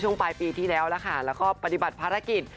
ช่วงปลายปีที่แล้วแล้วก็ปฏิบัติภารกิจ